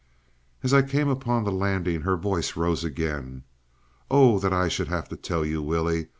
As I came up upon the landing her voice rose again. "Oh that I should have to tell you, Willie!